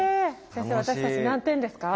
先生私たち何点ですか？